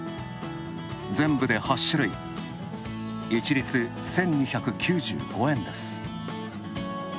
全部で８種類、一律１２９５円です。